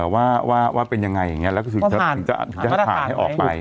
ว่าเป็นยังไงแบบนี้แล้วถึงจะหาให้ออกไป